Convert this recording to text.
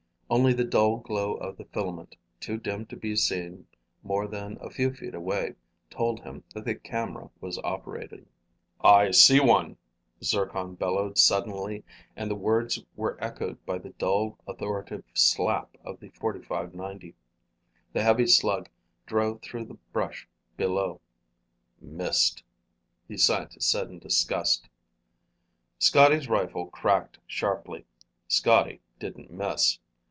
Only the dull glow of the filament, too dim to be seen more than a few feet away, told him that the camera was operating. "I see one," Zircon bellowed suddenly, and the words were echoed by the dull, authoritative slap of the .45 90. The heavy slug drove through the brush below. "Missed," the scientist said in disgust. Scotty's rifle cracked sharply. Scotty didn't miss.